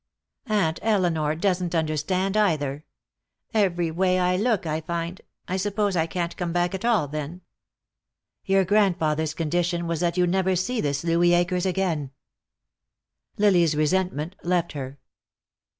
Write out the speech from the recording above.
Aunt Elinor doesn't understand, either. Every way I look I find I suppose I can't come back at all, then." "Your grandfather's condition was that you never see this Louis Akers again." Lily's resentment left her.